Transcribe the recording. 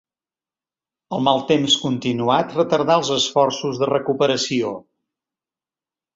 El mal temps continuat retardà els esforços de recuperació.